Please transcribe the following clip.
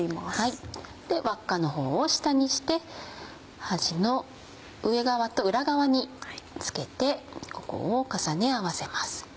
輪っかのほうを下にして端の上側と裏側につけてここを重ね合わせます。